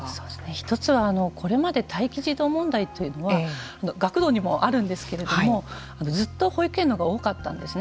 一つは、これまで待機児童問題というのは学童にもあるんですけれどもずっと保育園のほうが多かったんですね。